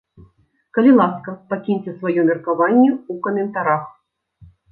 Калі ласка, пакіньце сваё меркаванне ў каментарах.